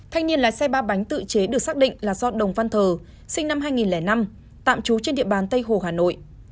thanh niên lái xe ba bánh tự chế được xác định là do đồng văn thờ sinh năm hai nghìn năm tạm trú trên địa bàn tây hồ hà nội